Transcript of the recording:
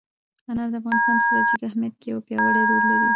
انار د افغانستان په ستراتیژیک اهمیت کې یو پیاوړی رول لري.